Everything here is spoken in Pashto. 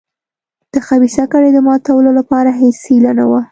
د خبیثه کړۍ د ماتولو لپاره هېڅ هیله نه وه.